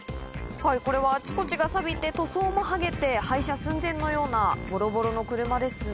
はいこれはあちこちがさびて塗装も剥げて廃車寸前のようなボロボロの車ですが。